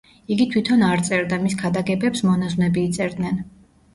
იგი თვითონ არ წერდა, მის ქადაგებებს მონაზვნები იწერდნენ.